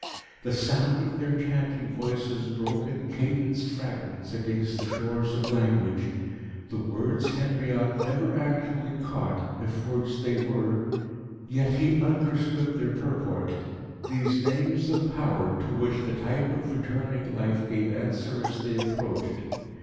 The sound of their chanting voices broke in cadenced fragments against the shores of language. The words Henriot never actually caught, if words they were; yet he understood their purport these Names of Power to which the type of returning life gave answer as they approached.